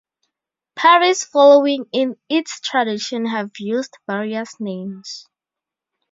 Parties following in its tradition have used various names.